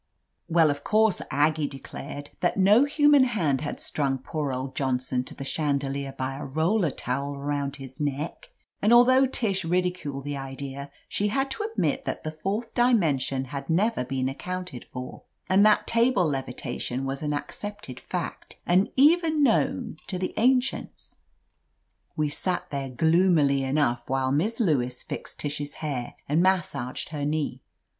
) Well, of course, Aggie declared that no hu man hand had strung poor old Johnson to the chandelier by a roller towel around his neck, and although Tish ridiculed the idea, she had to admit that the fourth dimensic«i had never 22 / LETITIA CARBERRY been accounted for, and that table levitation was an accepted fact, and even known to the ancientSw We sat there gloomily enough while Miss Lewis fixed Tish's hair and massaged her knee.